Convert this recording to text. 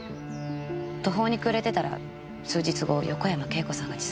途方に暮れてたら数日後横山慶子さんが自殺して。